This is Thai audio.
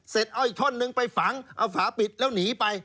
เอาอีกท่อนนึงไปฝังเอาฝาปิดแล้วหนีไป